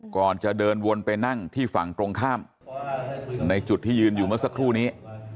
ก่อนจะเดินวนไปนั่งที่ฝั่งตรงข้ามในจุดที่ยืนอยู่เมื่อสักครู่นี้